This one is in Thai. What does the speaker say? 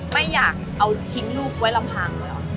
ไม่อยากเอาทิ้งลูกไว้ระพางเลยเหรอ